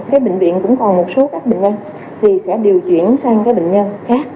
cái bệnh viện cũng còn một số các bệnh nhân thì sẽ điều chuyển sang các bệnh nhân khác